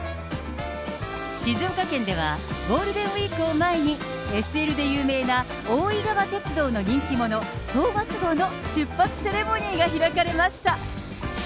静岡県では、ゴールデンウィークを前に、ＳＬで有名な大井川鐵道の人気者、トーマス号の出発セレモニーが開かれました。